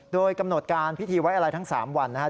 โดยกำหนดการพิธีไว้อะไรทั้ง๓วันนะครับ